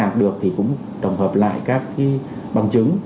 nếu không làm được thì cũng tổng hợp lại các cái bằng chứng